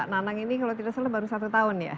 nanang ini kalau tidak salah baru satu tahun ya